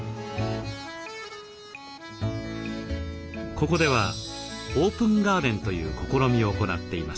ここではオープンガーデンという試みを行っています。